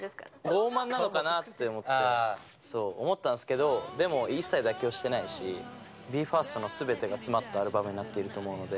ごうまんなのかなと思って、思ったんですけど、でも一切妥協してないし、ＢＥ：ＦＩＲＳＴのすべてが詰まったアルバムになっていると思うので。